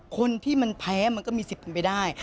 คนที่มันแพ้มันก็มีสิทธิ์เป็นไปได้